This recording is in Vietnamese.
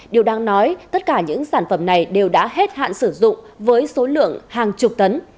điều đang nói tất cả những sản phẩm này đều đã hết hạn sử dụng với số lượng hàng chục tấn